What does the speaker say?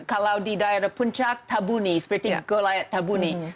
kalau di daerah puncak tabuni seperti gola tabuni